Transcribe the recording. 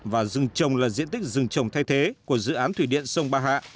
và rừng trồng là diện tích rừng trồng thay thế của dự án thủy điện sông ba hạ